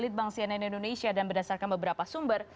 resiko sedang oleh lead bank cnn indonesia dan berdasarkan beberapa sumber